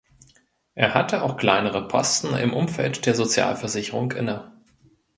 Er hatte auch kleinere Posten im Umfeld der Sozialversicherung inne.